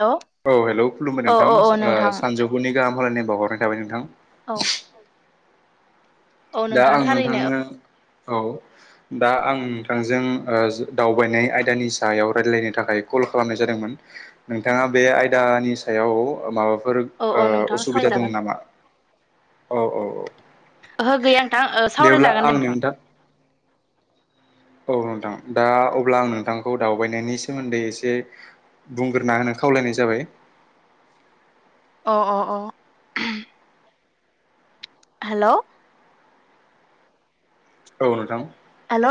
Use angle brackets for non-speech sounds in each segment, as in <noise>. हेल' औ हेलौ खुलुमबाय औ नोंथां औ औ ओ नोंथां सानजौफुनि गाहाम हलायनाय बावहरनाय थाबाय नोंथां औ औ दा नोंथां आं थारैनो नोंथांनो औ दा आं नोंथांजों ओज दावबायनाय आयदानि सायाव रायलायनो थाखाय क'ल खालामनाय जादोंमोन नोंथाङा बे आयदानि सायावो मा फोर औ औ ओ नोंथां उसुबिदा दं सावरायजागोन नामा औ औ औ ओहो गैया नोंथां ओ सावराय जागोन दे नोंथां। औ नोंथां दा अब्ला आं नोंथांखौ दावबायनायनि सोमोन्दै एसे बुंग्रोना होनो खावलायनाय जाबाय। अ अ अ। हेलौ। औ नोंथां। हेलौ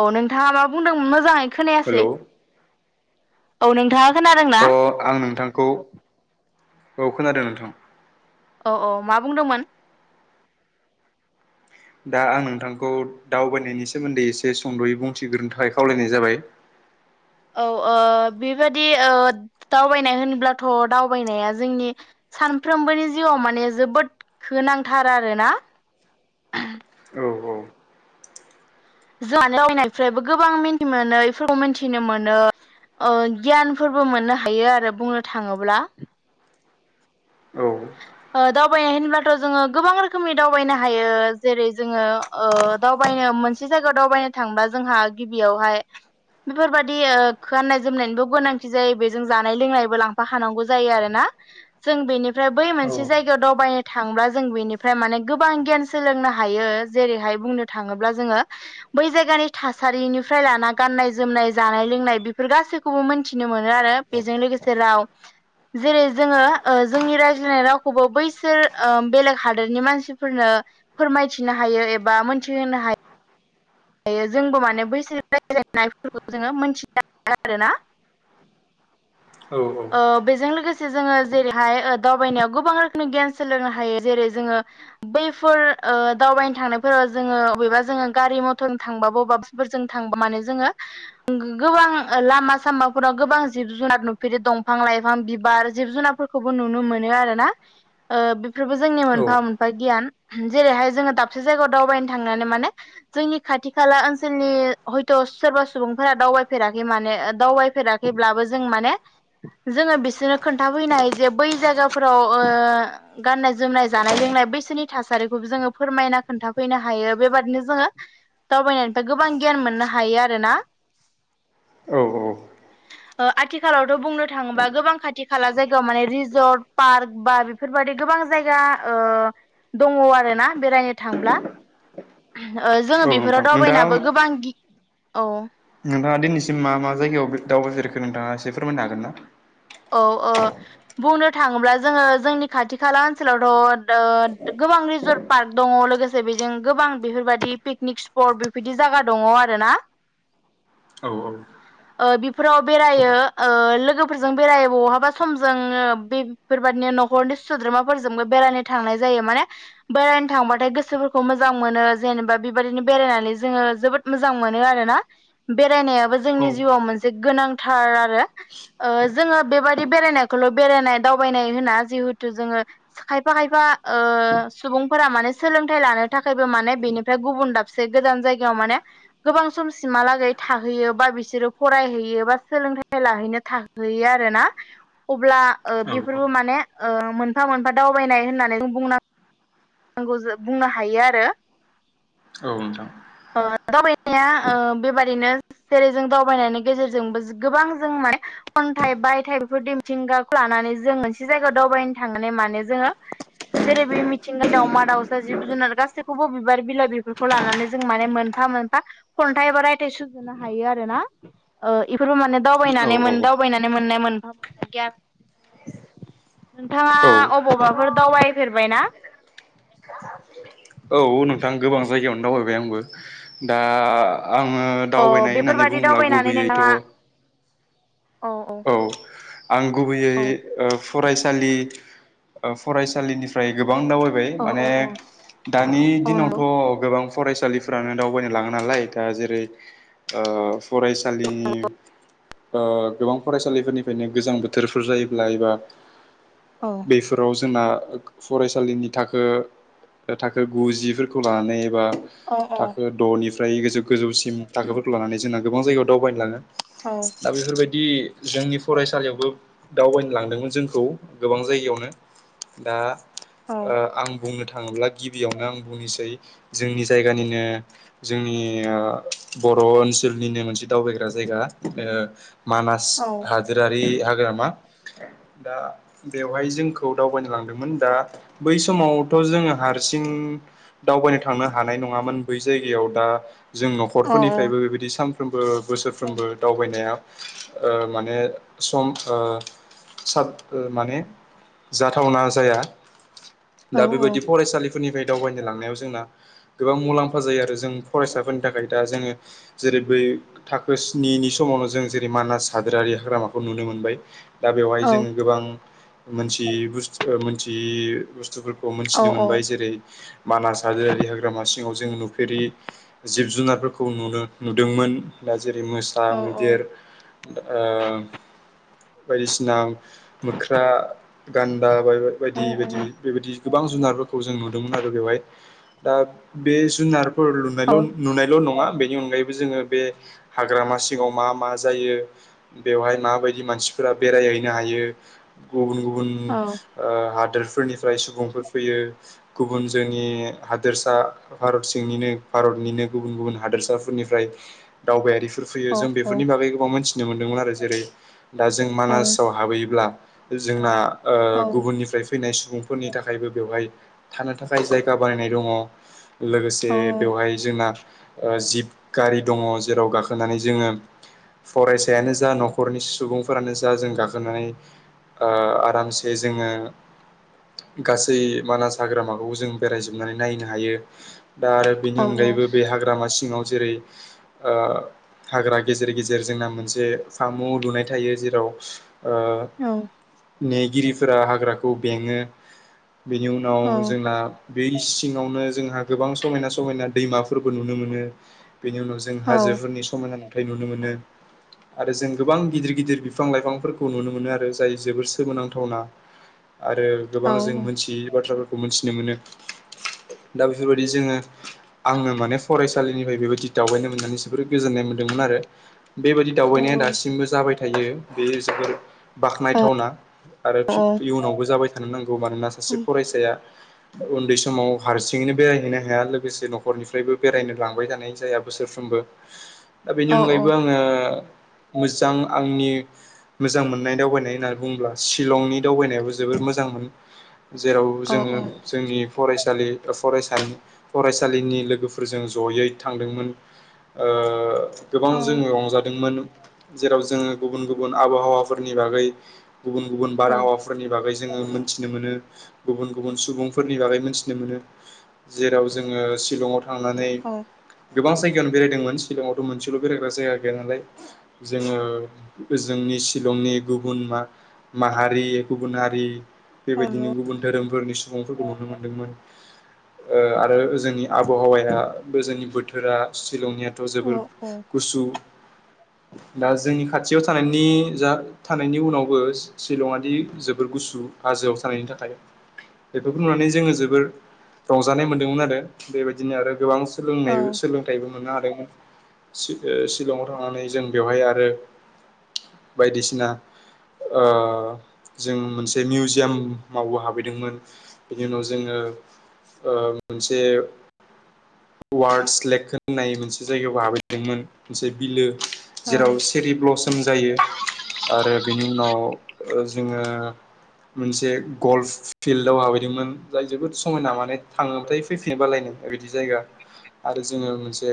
औ नोंथाङा मा बुंदोंमोन मोजाङै हेलौ खोनायासै। अ औ नोंथाङा खोनादोंना अ आं नोंथांखौ औ खोनादों नोंथां। औ औ मा बुंदोंमोन? दा आं नोंथांखौ दावबायनायनि सोमोन्दै एसे सुंद'यै बुंथिग्रोनो थाखाय खावलायनाय जाबाय। <inaudible> औ ओ बेबायदि ओ दावबायनाय होनब्लाथ' दावबायनाया जोंनि सानफ्रोमबोनि जिउआव माने जोबोद गोनांथार आरोना। औ औ। जोंहा दावबायनायफ्रायबो गोबां मिथि मोनो बेफोरखौ मिथिनो मोनो <unintelligible> ओ गियानफोरबो मोननो हायो आरो बुंनो थाङोब्ला। औ ओ दावबायनाय होनब्लाथ' जोङो गोबां रोखोमनि दावबायनो हायो जेरै जोङो ओ दावबाय नो मोनसे जायगा दावबायनो थांबा जोंहा गिबियावहाय बेफोरबायदि ओ गाननाय जोमनायनिबो गोनांथि जायो बेजों जानाय लोंनायबो लांफाखानांगौ जायो आरोना। जों बेनिफ्राय बै औ मोनसे मोनसे जायगायाव दावबायनो थांब्ला जों बेनिफ्राय माने गोबां गियान सोलोंनो हायो जेरैहाय बुंनो थाङो ब्ला जोङो बै जायगानि थासारिनिफ्राय लाना गाननाय जोमनाय जानाय लोंनाय बेफोर गासैखौबो मोनथिनो मोनो आरो बेजों लोगोसे राव जेरै जोङो जोंनि रायज्लायनाय रावखौ खौबो बैसोर बेलेग हादोरनि मानसिफोरनो फोरमायथिनो हायो एबा मोनथिहोनो हायो <unintelligible> हायो जोंबो माने बैसो रायज्लायनायफोरखौ जोङो मोनथियो आरोना <inaudible> ओ बेजों लोगोसे से जोङो जेरैहाय ओ दावबायनायाव गोबां रोखोमनि गियान सोलोंनो हायो जेरै जोङो बैफोर ओ दावबायनो थांनायफोराव जोङो अबेबा जोङो गारि मथर थांबाबो बबेबाफोरजों थां माने जोङो गो-गोबां लामा सामाफोराव गोबां जिब जुनार नु बिदि दंफां लाइफां बिबार जिब- जुनारफोरखौबो नुनो मोनो आरो ना ओ बेफोरबो जोंनि औ मोनफा मोनफा गियान। जेरैहाय जोङो दाबसे जायगायाव दावबायनो थांनानै माने जोंनि खाथि खाला ओनसोलनि हयथ' सोरबा सुबुंफोरा दावबायफेराखै माने दावबायफेराखैब्लाबो जों माने जोङो बिसोरनो खोन्थाफैनो हायो जे बै जायगाफोराव ओ गाननाय जोमनाय जानाय लोंनाय बै सोरनि थासारिखौबो जोङो फोरमायना खोन्थाफैनो हायो बेबादिनो जोङो दावबायनायनिफ्राय गोबां गियान मोननो हायो आरोना। औ औ। ओ आथि खालावथ' बुंनो थाङोबा गोबां खाथि खाला जायगायाव माने रिजर्ट पार्क बा बेफोरबायदि गोबां जायगा ओ दङ आरोना बेरायनो थांब्ला ओ जोङो औ नोंथां बेफोराव नोंथाङा दावबायनाबो गोबां गि औ नोंथाङा दिनैसिम मा मा जायगायाव बिर-दावबायफेरखो नोंथाङा एसे फोरमायनो हागोन ना? औ ओ बुंनो थाङोब्ला जोङो जोंनि खाथि खाला ओनसोलावथ' ओ <unintelligible> गोबां रिजर्ट पार्क दङ लोगोसे बेजों गोबां बेफोरबायदि पिकनिक स्पट बेबायदि जायगा दङ आरोना <inaudible> औ औ। ओ बेफोराव बेरायो ओ लोगोफोर, जों बेरायो बहाबा सम ज बेफोरबादिनो न'खरनि सोद्रोमाफोरजोंबो बेरायनो थांनाय जायो माने बेरायनो थांबाथाय गोसोफोरखौ मोजां मोनो जेनेबा बेबायदिनो बेरायनानै जोङो जोबोद मोजां मोजां मोनो आरोना बेरायनायाबो औ जोंनि जिउआव मोनसे गोनांथार आरो। ओ जोङो बेबाददि बेरायनायखौल' बेरायनाय दावबायनाय होना जिहेथु जोङो खायफा खायफा ओ सुबुंफोरा माने सोलोंथाइ लानो थाखायबो माने बेनिफ्राय गुबुन दाबसे गोजान जायगायाव माने गोबां समसिमहालागै थाहैयो बा बिसोरो फरायहैयो बा सोलोंथाइ लाहैनो थाहोयो होयो आरोना अब्ला औ बेफोरबो माने मोनफा मोनफा दावबायनाय होननानै जों बुंनो हायो आरो औ नोंथां अ <unintelligible> ओ बेबायदिनो जेरै जों दावबायनायनि गेजेरजोंबो गोबां जों माने खन्थाइ बायथाइ बेफोर दिमथिंगाखौ लानानै जों मोनसे जायगायाव दावबायनो थाङोन ने माने जोङो जेरै बे मिथिंङाय दाउमा दाउसा जिब जुनार गासैखौबो बिबार बिलाइ बिफोरखौ लानानै जों माने मोनफा मोनफा मोनफा खन्थाइ एबा रायथ सुजुनो हायो आरो ना इफोरबो माने औ दावबायनानै औ मोन दावबायनानै मोननाय मोनफा मोनफा गियान नोंथाङा औ अबावबाफोर दावबायफेरबाय ना औ नोंथां गोबां जायगायावनो दावबायबाय आंबो दा आङो अ दावबायनाय होननानै बेफोरबादि बुंला दावबायनानै गुबैयैथ' नोंथाङा औ आं गुबैयै औ फसालि ओ फरायसानिफ्राय गो बां दावबायबाय माने औ औ दानि औ दिनावथ' नंगौ गोबां फरायसालिफ्रानो दावबायनो लाङो नालाय दा जेरै फरायसालिनि ओ गोबां फरायसालिफोरनिफ्रायनो गोजां बोथोरफोर जायोब्ला एबा औ बेफोराव जोंना फरायसालिनि थाखो थाखो गुजिफोरखौ लानानै एबा औ औ थाखो द'निफ्राय गोजौ गोजौसिम थाखोफोरखौ लानानै जोंना गोबां जायगायाव दावबायनो लाङो औ दा बेफोरबायदि जोंनि फरायसालियावबो दावबायनो लांदोंमोन जोंखौ गोबां जायगायावनो दा औ आं बुंनो थाखाय थाङोब्ला गिबियावनो आं बुंनोसै जोंनि जायगानिनो जोंनि बर' बर' ओनसोलनिनो मोनसे दावबायग्रा जायगा मानास औ रारि हाग्रामा दा बेवहाय जोंखौ दावबायनो लांदोंमोन दा बै समावथ' जोङो हारसिं हारसिं दावबायनो थांनो हानाय नङामोन बै जायगायाव दा जों औ न'खरफोरनिफ्रायबो बेबायदि सानफ्रोमबो बोसोरफ्रोमबो दावबायनाया माने सम ओ सा माने जाथावना जाया औ दा बेबायदि फरायसालि फोरनिफ्राय दावबायनो लांनायाव जोंना गोबां मुलाम्फा जायो आरो जों फरायसाफोरनि थाखाय दा जोङो जेरै जै बै थाखो स्निनि समावनो जों जेरै मानास हाग्रायारि हाग्रामाखौ नुनो मोनबाय दा बेवहाय औ औ जोङो गोबां मोनथियि बु मोनथियि बुस्थुफोरखौ औ मोनथिनो मोनबाय जेरै मानास हादोरारि हाग्रामा सिङाव जों नुफेरि जिब जुनारफोरखौ नुदोंमोन जेरै मोसा औ मैदेर ओ बायदिसिना मोख्रा गान दा बाय बायदि बायदि बेबायदि गोबां जुनारफोरखौ जों नुदोंमोन आरो बेवहाय दा बे जुनार फोर लुनायल' नुनायल' नङा बेनि अनगायैबो जोङो बे हाग्रामा सिङाव मा मा जायो बेवहाय माबायदि मानसिफोरा बेरायहैनो हायो गुबुन गुबुन गुबुन हादोरफोरनि सुबुंफोर फैयो गुबुन जोंनि हादोरसाारत सिंनिनो भारतनिनो गुबुन गुबुन हादोरसाफोरनिफ्राय दावबायारि र फैयो जों बेफोरनि बागै गोबां मिथिनो मोन्दोंमोन आरो जेरै दा जों मानासाव हाबहैयोब्ला। जोंना गुबुननिफ्राय फैनाय सम। सुबुंफोरनि थाखायबो बेवहाय थानो थाखाय जायगा बानायनाय दङ। लोगोसे बेवहाय जोंना। जिब गारि दङ जेराव गाखोनानै जोङो। फरायसायानो जा न'खरनि सुबुंफोरानो जा जों गाखोनानै। आरामसे जोङो। गासै मानास हाग्रामाखौबो जों बेरायजोबनानै नायनो हायो। दा आरो बेनि अनगायैबो बे हाग्रामा सिङाव जेरै हाग्रा गेजेर गेजेर। जोंना मोनसे फार्मु लुनाय थायो जेराव। ओ औ। नेगिरिफोरा हाग्राखौ बेङो बेनि उनाव जोंना। बे सिङावनो जोंहा गोबां समायना समायना दैमाफोरबो नुनो मोनो। बेनि उनाव जों हाजोफोरनि समायना नुथाय नुनो मोनो। <inaudible> आरो जों गोबां गिदिर गिदिर बिफां लाइफांफोरखौ नुनो मोनो आरो जाय जोबोर सोमोनांथावना। आरो गोबां जों मोनथियै बाथ्राफोरखौ मोनथिनो मोनो। दा बेफोरबायदि जोङो आङो माने फरायसालिनिफ्राय बेबायदि दावबायनो मोननानै जोबोर गोजोननाय मोनदों। आरो बेबायदि दावबायनाया दासिमबो जाबाय थायो बेयो जोबोर। बाख्नायथावना आरो इयुनावबो जाबाय थानो नांगौ मानोना सासे फरायसाया। उन्दै समाव हारसिङैनो बेरायहैनो हाया लोगोसे न'खरनिफ्रायबो बेरायनो लांबाय थानाय जाया बोसोरफ्रोमबो। दा बेनि अनगायैबो आं। मोजां आंनि। मोजां मोननाय दावबायनाय होननानै बुङोब्ला शिलंनि दावबायनायाबो जोबोर मोजांमोन। जेराव जोङो जोंनि। फरायसालि फरायसा फरायसालिनि लोगोफोरजों जयै थांदोंमोन। ओ। गोबां जोङो रंजादोंमोन जेराव जोङो गुबुन गुबुन आबहावाफोरनि बागै। गुबुन गुबुन औ बारहावाफोरनि बागै। जोङो मोनथिनो मोनो गुबुन गुबुन सुबुंफोरनि बागै मोनथिनो मोनो। जेराव जोङो शलंआव थांनानै औ औ गोबां जायगायावनो बेरायदोंमोन सिलंआवथ' मोनसेल'। बेरायग्रा जायगा गैया नालाय जोङो जोंनि शिलंनि गुबुन मा। माहारि गुबुन हारि औ बेबायदिनो गुबुन धोरोम। फोरनि सुबुंफोरखौ नुनो मोन्दोंमोन। आरो जोंनि आबहावाया जोंनि बोथोरा शिलंनियाथ' जोबोर। औ गुसु। दा जोंनि खाथियाव थानायनि जा थानायनि उनावबो सिशिलङादि जोबोद। गुसु हाजोआव थानायनि थाखाय। बेफोरखौ नुनानै जोङो जोबोर रंजानाय मोन्दोंमोन आरो बेबायदिनो आरो। गोबां औ सोलोंनाय सोलोंथाइबो मोननो हादोंमोन। शिलंआव थांनानै जों बेवहाय आरो बायदिसिना। ओ। जों मोनसे मिउजियाम मावबो हाबैदोंमोन बेनि उनाव जोङो। मोनसे वार्डस लेक होननाय मोनसे जायगायाव हाबहै दोंमोन मोनसे बिलो। औ जेराव सेरि ब्लसोम जायो आरो बेनि उनाव। जोङो। मोनसे गल्फ फिल्डआव हाबैदोंमोन जाय जोबोद समायना माने थाङोबथाय फैफिनो बालायनाय। बिदि जायगा आरो जोङो मोनसे।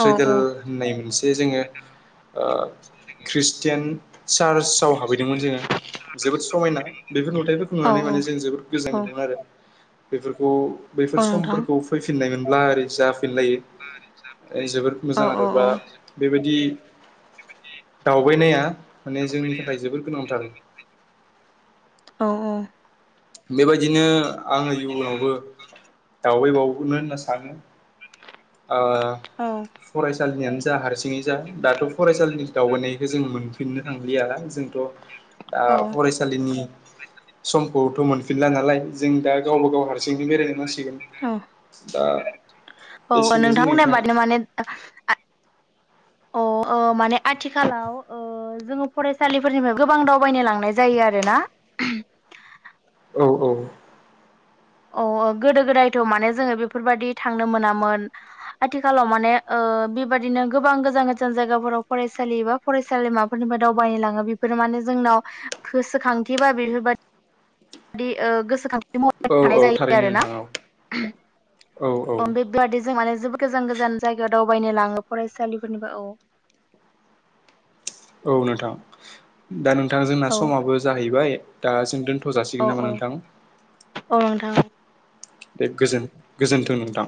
औ बाथौपुरि होननाय मोनसे जोंङो बाथौ मन्दिर मन्दिराव हाबहैदोंमोन जोंङो जोबोद समायना बेफोर नुथायफोरखौ औ नुना माने जोङो जोबोद गोजोननाय मोन्दों आरो बेफोरखौ बेफोर औ नोंथां समफोरखौ फैफिननाय मोनब्ला ओरै जा लायो जबोर औ मोजां औ आरो बा बेबाय बिदि दावबायनाया माने जोंनि थाखाय जोबोर गोनांथार औ औ बेबायदिनो आङो इयुनावबो दावबायबावगोननो होनना सानो ओ फरायसालिनियानो जा हारसिं जा दाथ' फरायसालिनि दावबायनायखौ जों मोनफिननो थांलिया जोंथ' दा औ फरायसालिनि समखौथ' मोनफिनला नालाय जों दा गावबा गाव हारसिंनो बेरायनो नांसिगोन दा औ एसेनोसै नोंथांमोननाय नोंथां बादिनो माने अ माने आथिखालाव ओ जोङो फरायसालिफोरनिफ्राय गोबां दावबायनो लांनाय जायो आरोना औ औ अ गोदो गोदायथ' माने जोङो बेफोरबायाददि थांनो मोनामोन आथिखालाव माने बेबायदिनो गोबां गोजान गोजान जायगाफोराव फरायसालि एबा फरायसालि माबाफोरनिफ्राय दावबायनो लांङो बेफोरो मा माने जोंनाव गोसोखांथि बा बेफोरबायदि गोसोखांथि महरै औ थानाय औ जायो थारैनो आरो ना नोंथां औ औ औ बे बादि जों माने जबोद गोजान गोजान जायगायाव दावबायनो लाङो फरायसालिफोरनिबो औ औ नोंथां दा नोंथां जोंना औ समाबो जाहैबाय दा जों दोनथ' थ' औ जासिगोन नामा औ नोंथां औ नोंथां बे गोजोन गोजोनथों नोंथां